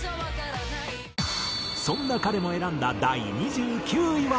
そんな彼も選んだ第２９位は。